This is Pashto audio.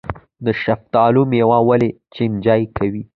د شفتالو میوه ولې چینجي کوي؟